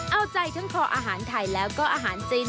เอาใจทั้งคออาหารไทยแล้วก็อาหารจีน